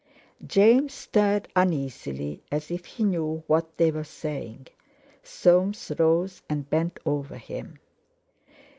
James stirred uneasily, as if he knew what they were saying. Soames rose and bent over him.